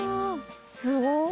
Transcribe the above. すごい！